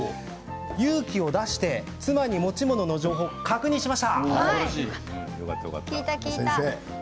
勇気を出して、妻に持ち物の情報を確認しました。